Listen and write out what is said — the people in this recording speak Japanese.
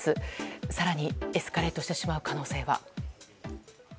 更にエスカレートしてしまう可能性は。